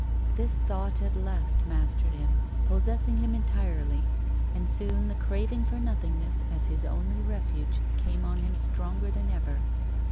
This thought at last mastered him, possessed him entirely; and soon the craving for nothingness as his only refuge came on him stronger than ever.